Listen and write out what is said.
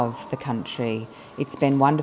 và hai đứa trẻ đẹp